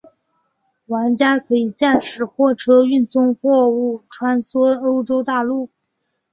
玩家可以驾驶货车运送货物穿梭欧洲大陆。